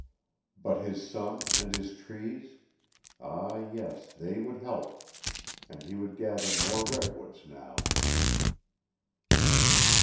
But his son and his trees ah, yes, they would help. And he would gather more redwoods now!